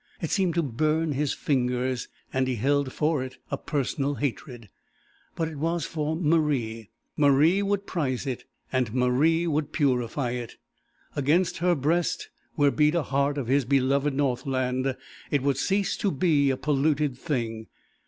It seemed to burn his fingers, and he held for it a personal hatred. But it was for Marie! Marie would prize it, and Marie would purify it. Against her breast, where beat a heart of his beloved Northland, it would cease to be a polluted thing.